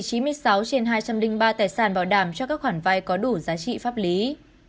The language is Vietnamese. chỉ chín mươi sáu trên hai trăm linh ba tài sản bảo đảm cho các khoản vay có đủ giá trị pháp lý